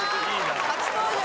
初登場。